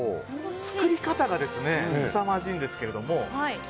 作り方がすさまじいんですけど。